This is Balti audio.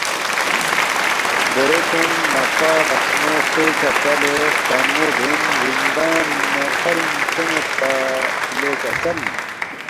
دیرے کھونگ مقپہ بخمو ہرتےکھہ کلے ہلتنمو بین زِندانِنگ نہ کھرِنگ کھیون٘یدپا لے کسل